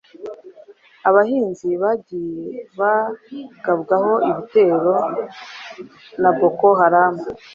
abahinzi bagiye bagabwaho ibitero na Boko Haram,